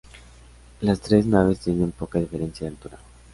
Las tres naves tienen poca diferencia de altura.